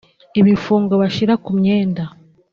ibifungo bashyira ku myenda